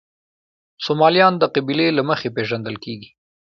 سومالیان د قبیلې له مخې پېژندل کېږي.